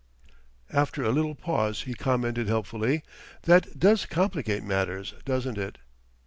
After a little pause he commented helpfully: "That does complicate matters, doesn't it?"